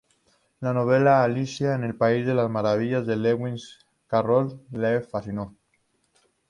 La novela "Alicia en el país de las maravillas", de Lewis Carroll, le fascinó.